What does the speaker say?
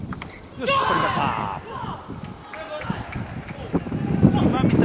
よし、取りました。